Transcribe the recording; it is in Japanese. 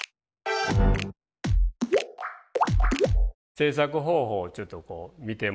制作方法をちょっとこう見てもらいますけど。